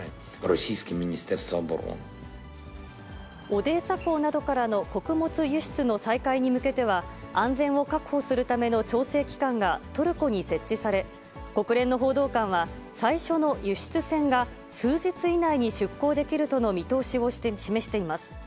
オデーサ港などからの穀物輸出の再開に向けては、安全を確保するための調整機関がトルコに設置され、国連の報道官は、最初の輸出船が数日以内に出航できるとの見通しを示しています。